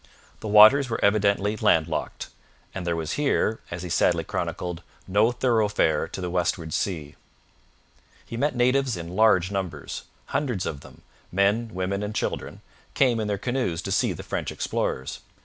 The waters were evidently landlocked, and there was here, as he sadly chronicled, no thoroughfare to the westward sea. He met natives in large numbers. Hundreds of them men, women, and children came in their canoes to see the French explorers.